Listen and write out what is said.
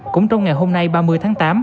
cũng trong ngày hôm nay ba mươi tháng tám